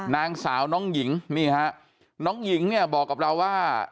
นางสาวน้องหญิงนี่ฮะน้องหญิงเนี่ยบอกกับเราว่า